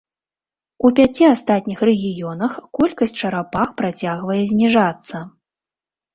У пяці астатніх рэгіёнах колькасць чарапах працягвае зніжацца.